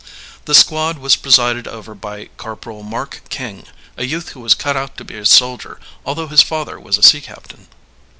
The squad was presided over by Corporal Mark King, a youth who was cut out to be a soldier, although his father was a sea captain.